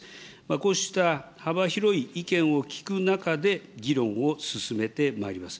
こうした幅広い意見を聞く中で議論を進めてまいります。